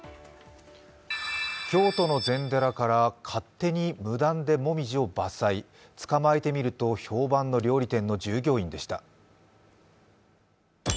京都の禅寺から勝手に無断でもみじを伐採、捕まえてみると、評判の料理店の従業員でした。